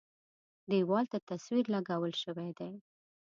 دېوال ته تصویر لګول شوی دی.